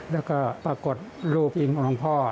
แล้วก็ปรากฏรูปอินของหลวงพ่อ